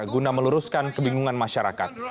guna meluruskan kebingungan masyarakat